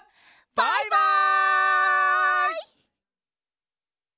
バイバイ！